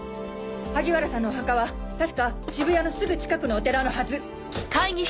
萩原さんのお墓は確か渋谷のすぐ近くのお寺のはず。